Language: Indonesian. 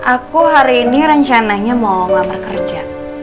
aku hari ini rencananya mau gak bekerja